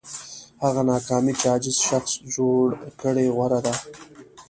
هغه ناکامي چې عاجز شخص جوړ کړي غوره ده.